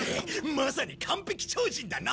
まさに完璧超人だな。